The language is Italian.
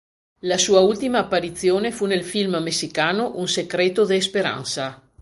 La sua ultima apparizione fu nel film messicano "Un Secreto de Esperanza".